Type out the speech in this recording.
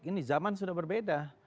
ini zaman sudah berbeda